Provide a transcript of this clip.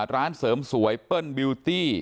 ร้านเสริมสวยเปิ้ลบิวตี้